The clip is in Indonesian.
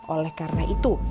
oleh karena itu